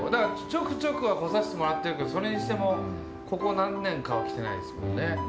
ちょくちょくは来させてもらってるけど、それにしても、ここ何年かは来てないですもんね。